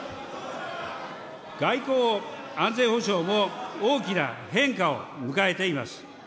外交・安全保障も大きな変化を迎えています。